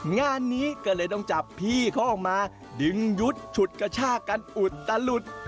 งานนี้ก็เลยต้องจับพี่เขาออกมาดึงยุดฉุดกระชากันอุดตะหลุด